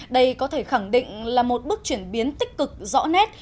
đây có thể khẳng định là một bước chuyển biến tích cực rõ nét